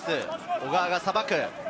小川がさばく。